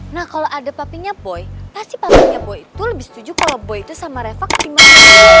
nah kalau ada papinya boy pasti papinya boy itu lebih setuju kalau boy itu sama revak timo